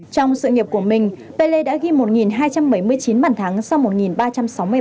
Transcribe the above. trong sự nghiệp của mình pele đã ghi một hai trăm bảy mươi chín bản thắng sau một ba trăm sáu mươi ba trận